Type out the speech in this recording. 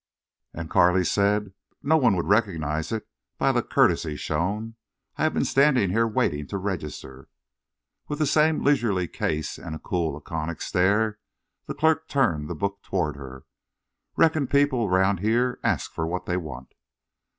And Carley said: "No one would recognize it by the courtesy shown. I have been standing here waiting to register." With the same leisurely case and a cool, laconic stare the clerk turned the book toward her. "Reckon people round here ask for what they want."